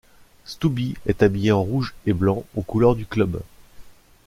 Stouby est habillé en rouge et blanc, aux couleurs du club.